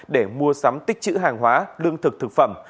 để mua sắm tích chữ hàng hóa lương thực thực phẩm